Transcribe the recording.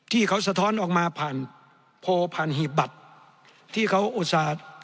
ที่เขาสะท้อนออกมาผ่านโพลผ่านหีบบัตรที่เขาอุตส่าห์